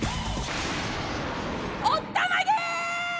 おったまげ！